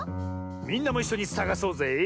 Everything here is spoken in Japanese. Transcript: みんなもいっしょにさがそうぜ！